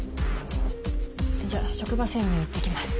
じゃあ職場潜入行って来ます。